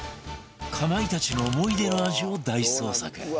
かまいたちの思い出の味を大捜索！